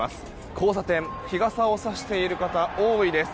交差点、日傘をさしている方が多いです。